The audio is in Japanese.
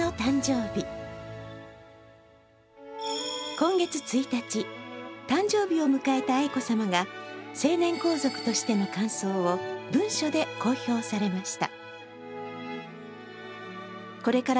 今月１日、誕生日を迎えた愛子さまが成年皇族としての感想を文書で公表されました。